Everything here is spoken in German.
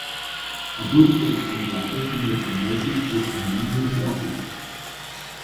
Adulte Exemplare findet man häufig zwischen Juni und August.